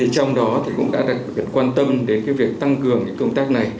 trong đó cũng đã được quan tâm đến việc tăng cường những công tác này